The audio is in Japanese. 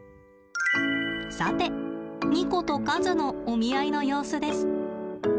さてニコと和のお見合いの様子です。